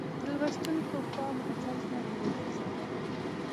د لوستونکو پام غزل ته را وګرځوي.